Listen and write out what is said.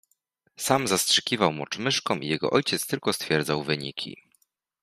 Sam zastrzykiwał mocz myszkom i jego ojciec tylko stwierdzał wyniki.